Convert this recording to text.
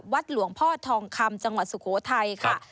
วัดหลวงพ่อทองคำจังหวัดสุโขทัยค่ะ